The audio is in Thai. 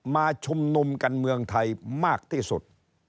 มาชุมนุมกันเมืองไทยมากที่สุด